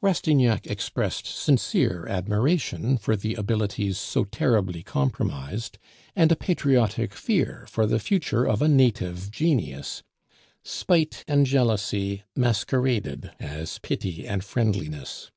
Rastignac expressed sincere admiration for the abilities so terribly compromised, and a patriotic fear for the future of a native genius; spite and jealousy masqueraded as pity and friendliness.